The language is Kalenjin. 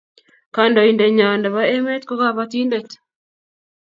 Kandoinenyo nebo emet ko kabatindet